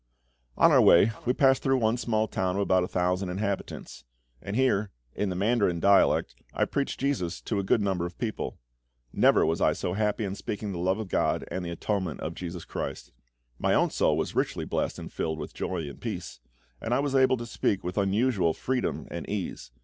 On our way we passed through one small town of about a thousand inhabitants; and here, in the Mandarin dialect, I preached JESUS to a good number of people. Never was I so happy in speaking of the love of GOD and the atonement of JESUS CHRIST. My own soul was richly blessed, and filled with joy and peace; and I was able to speak with unusual freedom and ease.